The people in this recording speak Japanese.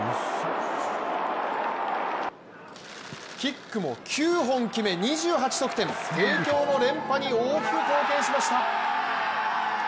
キックも９本決め、２８得点帝京の連覇に大きく貢献しました。